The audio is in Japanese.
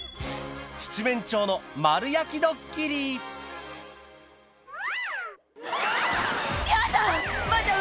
七面鳥の丸焼きドッキリヤダ！